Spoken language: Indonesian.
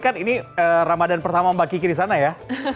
kan ini ramadan pertama mbak kiki di sana ya